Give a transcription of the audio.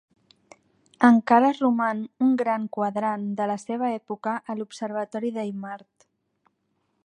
Encara roman un gran quadrant de la seva època a l'observatori d'Eimmart.